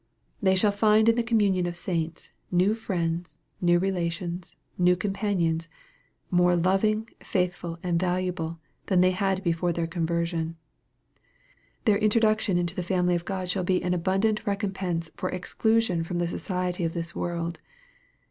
They shall find in the communion of saints, new friends, new relations, new companions, more loving, faithful, and valuable than any they had before their conversion. Their introduction into the family of God shall be an abundant recompense for ex clusion from the society of this world.